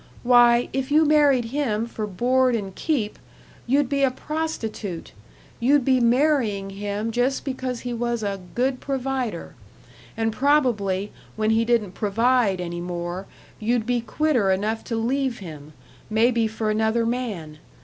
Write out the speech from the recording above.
Why, if you married him for board and keep, you'd be a prostitute you'd be marrying him just because he was a 'good provider.' And probably, when he didn't provide any more, you'd be quitter enough to leave him maybe for another man.